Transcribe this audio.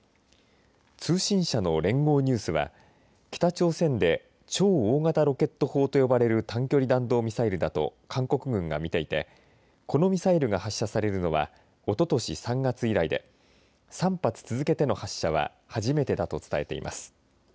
通信社の連合ニュースは北朝鮮で超大型ロケット砲と呼ばれる短距離弾道ミサイルだと韓国軍が見ていてこのミサイルが発射されるのはおととし３月以来で３発続けての発射は初めてだと伝えています。